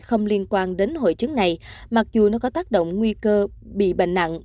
không liên quan đến hội chứng này mặc dù nó có tác động nguy cơ bị bệnh nặng